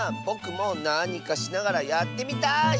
ぼくもなにかしながらやってみたい！